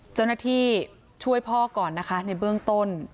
เจ้าหน้าที่ช่วยพ่อก่อนนะคะในเบื้องต้น